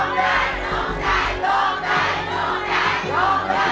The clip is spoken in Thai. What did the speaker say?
ผิดครับ